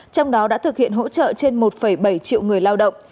trong đó đã thực hiện hỗ trợ trên một bảy triệu người lao động